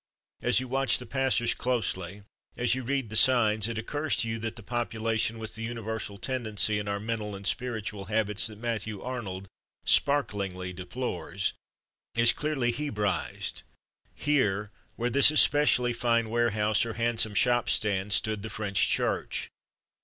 As you watch the passers closely, as you read the signs, it occurs to you that the population, with the universal tendency in our mental and spiritual habits that Matthew Arnold sparklingly deplores, is clearly Hebraized. Here, where this especially fine warehouse or handsome shop stands, stood the French church.